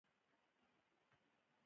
موږ په خپل یووالي ویاړو.